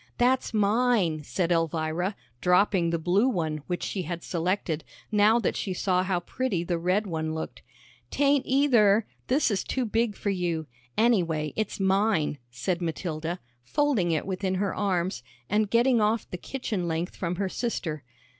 "That's mine," said Elvira, dropping the blue one, which she had selected, now that she saw how pretty the red one looked. "'Tain't either. This is too big for you. Anyway, it's mine," said Matilda, folding it within her arms, and getting off the kitchen length from her sister.